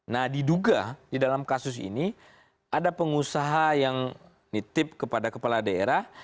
nah diduga di dalam kasus ini ada pengusaha yang nitip kepada kepala daerah